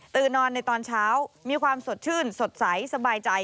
นอนในตอนเช้ามีความสดชื่นสดใสสบายใจ